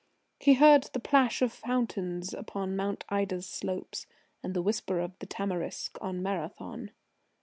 He heard the plash of fountains upon Mount Ida's slopes, and the whisper of the tamarisk on Marathon.